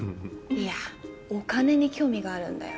いやお金に興味があるんだよ。